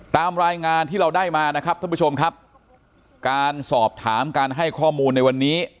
ตามรายงานที่เราได้มานะครับท่านผู้ชมครับการสอบถามการให้ข้อมูลในวันนี้